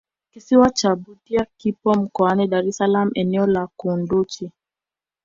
kisiwa cha budya kipo mkoani dar es salaam eneo la kunduchi